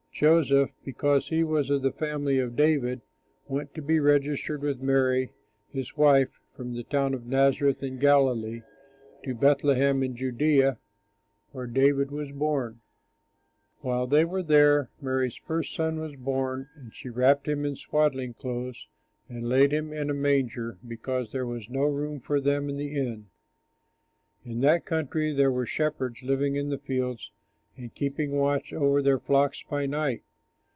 Joseph, because he was of the family of David, went to be registered with Mary, his wife, from the town of Nazareth in Galilee to Bethlehem in Judea where David was born. While they were there Mary's first son was born. And she wrapped him in swaddling clothes and laid him in a manger, because there was no room for them in the inn. In that country there were shepherds living in the fields and keeping watch over their flocks by night.